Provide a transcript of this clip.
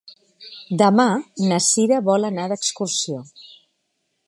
Demà na Sira vol anar d'excursió.